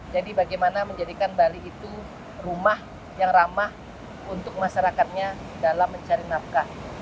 jadi bagaimana menjadikan bali itu rumah yang ramah untuk masyarakatnya dalam mencari nafkah